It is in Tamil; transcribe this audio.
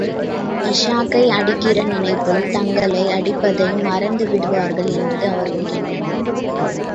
இஷாக்கை அடிக்கிற நினைப்பில், தங்களை அடிப்பதை மறந்துவிடுவார் என்பது அவர்கள் எண்ணம்.